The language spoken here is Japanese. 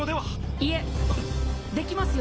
いえできますよ。